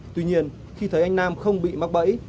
tuy nhiên khi thấy anh nam không bị mắc bẫy